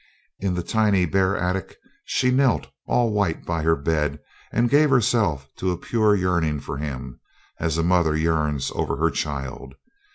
In the tiny bare attic she knelt all white by her bed, and gave herself to a pure yearn ing for him, as a mother yearns over her child.